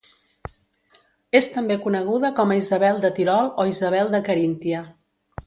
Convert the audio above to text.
És també coneguda com a Isabel de Tirol o Isabel de Caríntia.